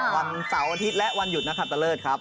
วันเสาร์อาทิตย์และวันหยุดนักขัดตะเลิศครับ